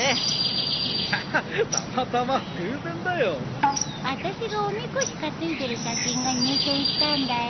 いやあたまたま偶然だよ。あたしがおみこし担いでる写真が入選したんだよ。